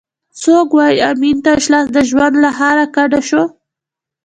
څوک وایي امین تش لاس د ژوند له ښاره کډه شو؟